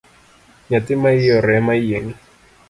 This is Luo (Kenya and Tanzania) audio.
Nyathi maioro emayieng’